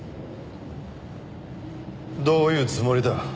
どういうつもりだ？